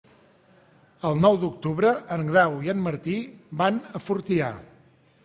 El nou d'octubre en Grau i en Martí van a Fortià.